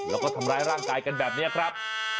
แล้วก็ทำร้ายร่างกายกันแบบนี้ครับ